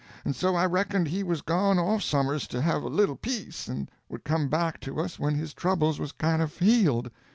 And so I reckoned he was gone off somers to have a little peace, and would come back to us when his troubles was kind of healed.